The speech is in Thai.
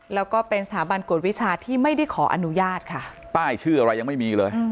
แล้วก็เป็นสถาบันกวดวิชาที่ไม่ได้ขออนุญาตค่ะป้ายชื่ออะไรยังไม่มีเลย